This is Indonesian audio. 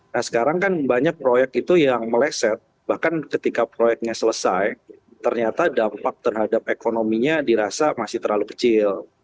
nah sekarang kan banyak proyek itu yang meleset bahkan ketika proyeknya selesai ternyata dampak terhadap ekonominya dirasa masih terlalu kecil